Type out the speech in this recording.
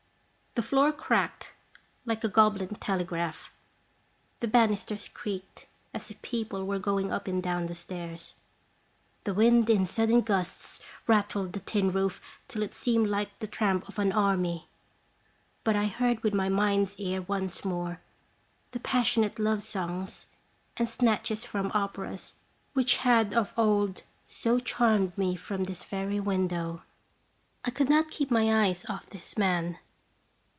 The floor cracked like a goblin telegraph. The banisters creaked as if people were going up and down the stairs. The wind in sudden gusts rattled the tin roof till it seemed like the tramp of an army. But I heard with my mind's ear once more the passionate love songs and snatches from operas which had of old so charmed me from this very window. I could not keep my eyes off this man.